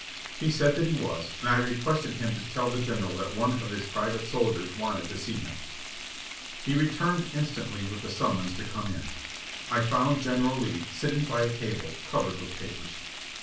He said that he was, and I requested him to tell the General that one of his private soldiers wanted to see him. He returned instantly with the summons to come in. I found General Lee sitting by a table covered with papers.